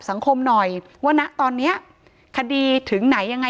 ถ้าใครอยากรู้ว่าลุงพลมีโปรแกรมทำอะไรที่ไหนยังไง